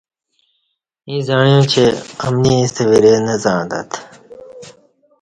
ییں زعیاں چہ امنی ایݩستہ ورے نہ زعݩتت